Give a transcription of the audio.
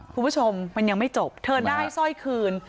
คุณผู้ชมมันยังไม่จบเธอได้สร้อยคืน